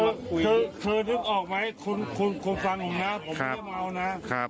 คือนึกออกไหมคุณฟังผมนะผมไม่ได้เมานะครับ